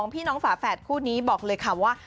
พี่น้องฝาแฝดคู่นี้บอกเลยค่ะว่า